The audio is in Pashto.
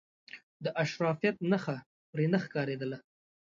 د اشرافیت نخښه پر نه ښکارېدله.